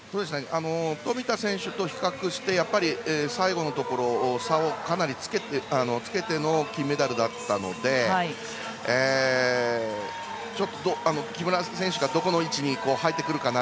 富田選手と比較して最後のところ差をかなりつけての金メダルだったので木村選手がどこの位置に入ってくるかな。